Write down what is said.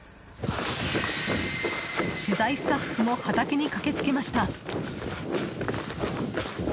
取材スタッフも畑に駆け付けました。